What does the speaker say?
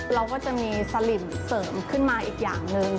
เราก็จะมีสลิมเสริมขึ้นมาอีกอย่างหนึ่ง